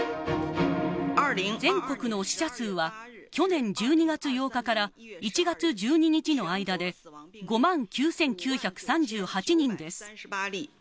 全国の死者数は、去年１２月８日から１月１２日の間で、５万９９３８人です。